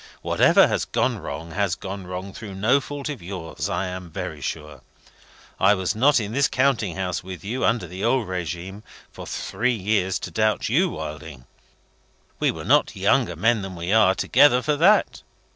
"Whatever has gone wrong, has gone wrong through no fault of yours, I am very sure. I was not in this counting house with you, under the old regime, for three years, to doubt you, Wilding. We were not younger men than we are, together, for that.